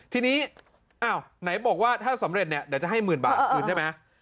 ทีนี้อ้าวไหนบอกว่าถ้าสำเร็จเนี่ยเดี๋ยวจะให้หมื่นบาทคืนใช่ไหม